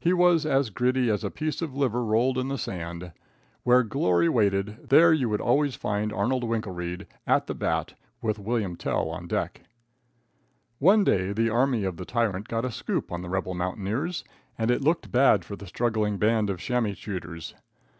He was as gritty as a piece of liver rolled in the sand. Where glory waited, there you would always find Arnold Winkelreid at the bat, with William Tell on deck. [Illustration: CLEAR THE TRACK.] One day the army of the tyrant got a scoop on the rebel mountaineers and it looked bad for the struggling band of chamois shooters.